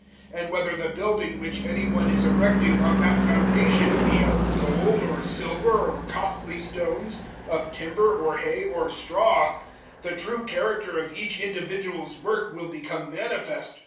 003:012 And whether the building which any one is erecting on that foundation be of gold or silver or costly stones, of timber or hay or straw 003:013 the true character of each individual's work will become manifest.